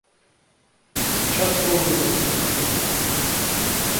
А сейчас слово имеет посол Японии.